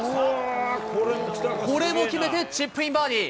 これも決めてチップインバーディー。